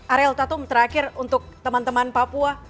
ariel tatum terakhir untuk teman teman papua